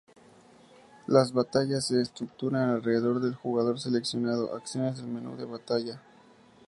Las batallas se estructuran alrededor del jugador seleccionando acciones del menú de batalla.